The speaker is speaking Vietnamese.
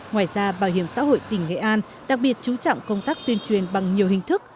ngoài ra bảo hiểm xã hội tỉnh nghệ an đặc biệt chú trọng công tác tuyên truyền bằng nhiều hình thức